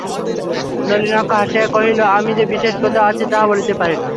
নলিনাক্ষ হাসিয়া কহিল, আমি যে বিশেষ কোথাও আছি তাহা বলিতে পারি না।